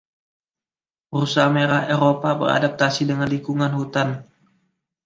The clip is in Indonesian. Rusa merah Eropa beradaptasi dengan lingkungan hutan.